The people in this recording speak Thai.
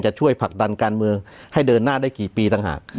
ช่วยผลักดันการเมืองให้เดินหน้าได้กี่ปีต่างหาก